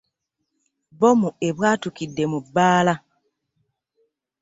Bbomu ebwatukidde mu bbaala.